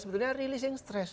sebetulnya releasing stress